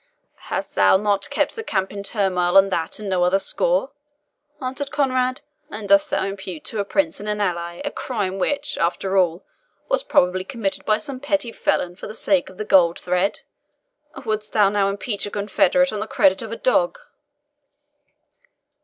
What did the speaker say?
"Hast thou then not kept the camp in turmoil on that and no other score?" answered Conrade; "and dost thou impute to a prince and an ally a crime which, after all, was probably committed by some paltry felon for the sake of the gold thread? Or wouldst thou now impeach a confederate on the credit of a dog?"